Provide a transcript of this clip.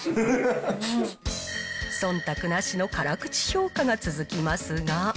そんたくなしの辛口評価が続きますが。